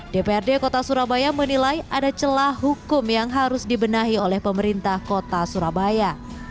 dprd kota surabaya menilai ada celah hukum yang harus dibenahi oleh pemerintah kota surabaya